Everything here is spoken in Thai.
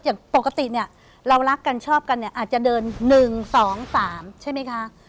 อย่างปกติเรารักกันชอบกันอาจจะเดิน๑๒๓ใช่ไหมคะ